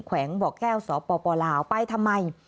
แวงบ่อแก้วสปลาวไปทำไม